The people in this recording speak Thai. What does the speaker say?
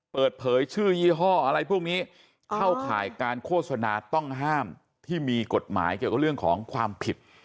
เปิดเผยชื่อยี่ห้ออะไรพวกนี้เข้าข่ายการโฆษณาต้องห้ามที่มีกฎหมายเกี่ยวกับเรื่องของความผิด